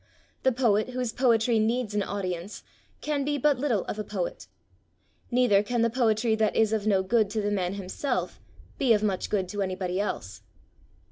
The poet whose poetry needs an audience, can be but little of a poet; neither can the poetry that is of no good to the man himself, be of much good to anybody else.